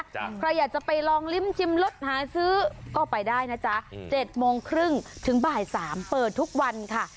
ใครอยากจะไปลองลิ้มชิมรสหาซื้อก็ไปได้นะจ๊ะ๗โมงครึ่งถึงบ่ายสามเปิดทุกวันค่ะ